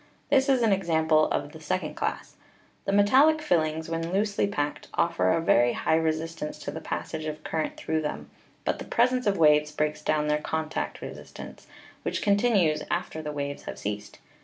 This is an example of the second class. The metallic filings, when loosely packed, offer a very high resistance to the passage of cur rent through them, but the presence of waves breaks down their contact resistance, which continues after the waves have ceased.